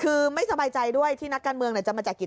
คุณผู้ชมถามมาในไลฟ์ว่าเขาขอฟังเหตุผลที่ไม่ให้จัดอีกที